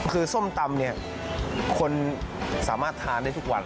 คือส้มตำเนี่ยคนสามารถทานได้ทุกวัน